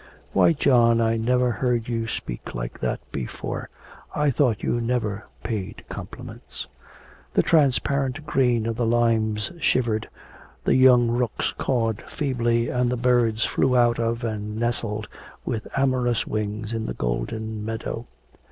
'Why, John, I never heard you speak like that before. I thought you never paid compliments.' The transparent green of the limes shivered, the young rooks cawed feebly, and the birds flew out of and nestled with amorous wings in the golden meadow.